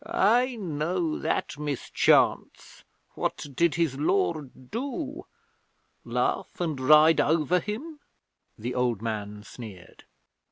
'I know that mischance! What did his Lord do? Laugh and ride over him?' the old man sneered.